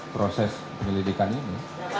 proses penyelidikan ini